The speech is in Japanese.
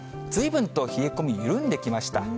ずいぶんと冷え込み、緩んできました。